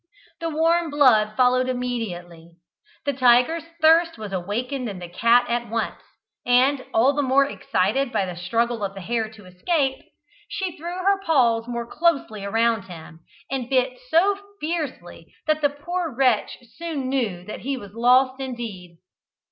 The warm blood followed immediately. The tiger's thirst was awakened in the cat at once, and, all the more excited by the struggles of the hare to escape, she threw her paws more closely around him, and bit so fiercely that the poor wretch soon knew that he was lost indeed.